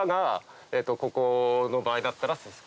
ここの場合だったら。